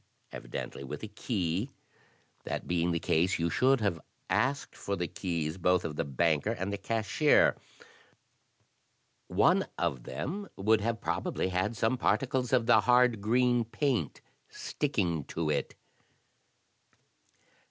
Evidently with a key. That being the case, you should have asked for the keys both of the banker and the cashier. One of them would have probably had some particles of the hard green paint sticking to it."